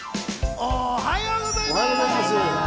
おはようございます！